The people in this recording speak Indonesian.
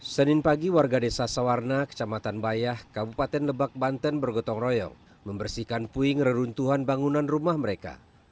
senin pagi warga desa sawarna kecamatan bayah kabupaten lebak banten bergotong royong membersihkan puing reruntuhan bangunan rumah mereka